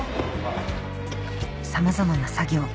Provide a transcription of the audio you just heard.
さまざまな作業